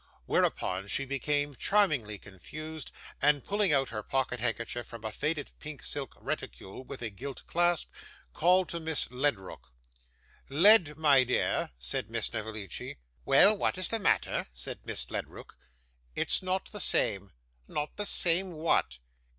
Whereupon, she became charmingly confused, and, pulling out her pocket handkerchief from a faded pink silk reticule with a gilt clasp, called to Miss Ledrook 'Led, my dear,' said Miss Snevellicci. 'Well, what is the matter?' said Miss Ledrook. 'It's not the same.' 'Not the same what?